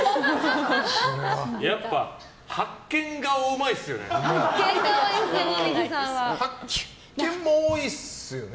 やっぱ発見顔うまいですね。